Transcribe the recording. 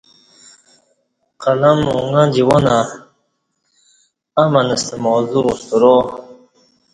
قلم اݣہ جوانہ امن ستہ موضوع سترا